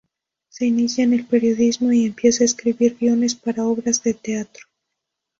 Se inicia en el periodismo y empieza a escribir guiones para obras de teatro.